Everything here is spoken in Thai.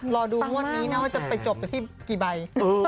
รอดูงวดนี้นะว่าจะไปจบไปที่กี่ใบ